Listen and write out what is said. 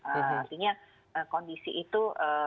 artinya kondisi itu